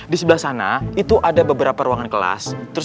di sebelah sana itu ada beberapa ruangan kelas